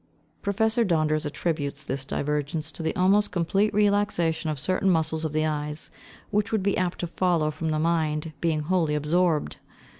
Professor Donders attributes this divergence to the almost complete relaxation of certain muscles of the eyes, which would be apt to follow from the mind being wholly absorbed.